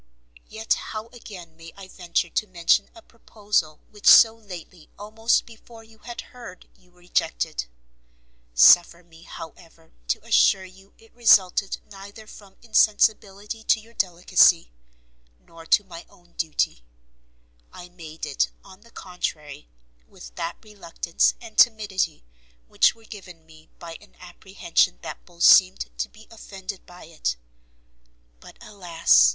Yet how again may I venture to mention a proposal which so lately almost before you had heard you rejected? Suffer me, however, to assure you it resulted neither from insensibility to your delicacy, nor to my own duty; I made it, on the contrary, with that reluctance and timidity which were given me by an apprehension that both seemed to be offended by it; but alas!